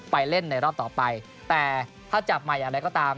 ไปเล่นในรอบต่อไปแต่ถ้าจับใหม่อย่างไรก็ตาม